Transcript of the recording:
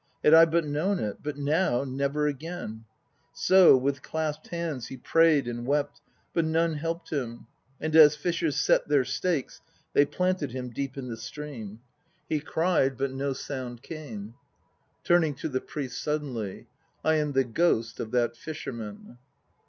Had I but known it! But now, never again ..." So with clasped hands he prayed and wept; but none helped him; and as fishers set their stakes they planted him deep in the stream. He cried, but no UKAI 131 sound came. (Turning to the PRIEST suddenly.) I am the ghost of that fisherman.